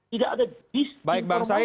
tidak ada disinformasi